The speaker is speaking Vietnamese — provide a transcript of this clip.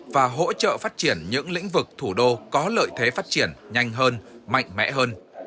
và hỗ trợ phát triển những lĩnh vực thủ đô có lợi thế phát triển nhanh hơn mạnh mẽ hơn